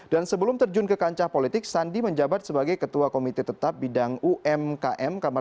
dan sebelum terjun ke kancah politik sandi menjabat sebagai ketua komite tetap bidang umkm